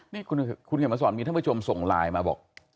นี่คุณเขียนมาสอนมีท่านผู้ชมส่งไลน์มาบอก